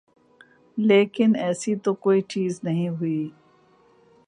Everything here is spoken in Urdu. لیکن ایسی تو کوئی چیز نہیں ہوئی۔